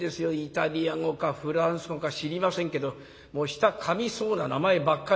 イタリア語かフランス語か知りませんけど舌かみそうな名前ばっかり。